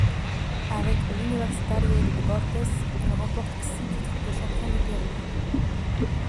Avec l'Universitario de Deportes, il remporte six titres de champion du Pérou.